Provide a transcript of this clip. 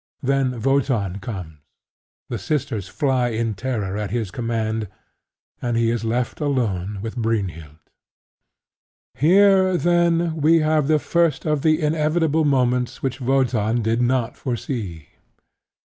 Then Wotan comes; the sisters fly in terror at his command; and he is left alone with Brynhild. Here, then, we have the first of the inevitable moments which Wotan did not foresee.